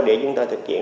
để chúng ta thực hiện